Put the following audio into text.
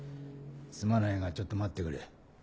すまないがちょっと待ってくれ。